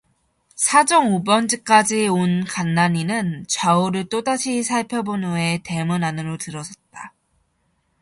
사정 오번지까지 온 간난이는 좌우를 또다시 살펴본 후에 대문 안으로 들어섰다.